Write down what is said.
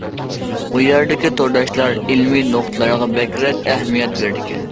ئۇ يەردىكى تورداشلار ئىلمىي نۇقتىلارغا بەكرەك ئەھمىيەت بېرىدىكەن.